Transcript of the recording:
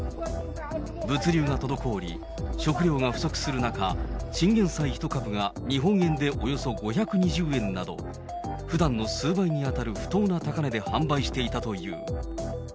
物流が滞り、食料が不足する中、チンゲンサイ１株が日本円でおよそ５２０円など、ふだんの数倍に当たる不当な高値で販売していたという。